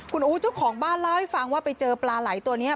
คุณอู๋เจ้าของบ้านเล่าให้ฟังว่าไปเจอปลาไหล่ตัวนี้